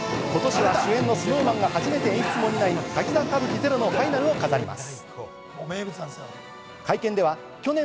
今年は主演のＳｎｏｗＭａｎが初めて演出も担い、『滝沢歌舞伎ＺＥＲＯ』のファイナルを飾ります。